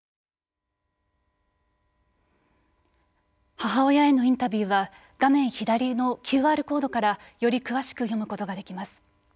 母親へのインタビューは画面左のＱＲコードからより詳しく読むことができます。